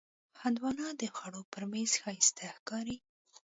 هندوانه د خوړو پر میز ښایسته ښکاري.